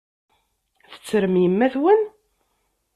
Tettrem yemma-twen?